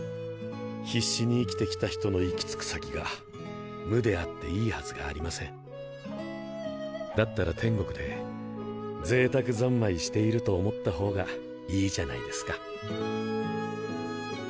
必死に生きてきた人の行き着く先が無であっていいはずがありませんだったら天国で贅沢三昧していると思ったほうがいいじゃないですか